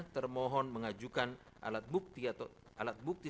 termohon mengajukan alat bukti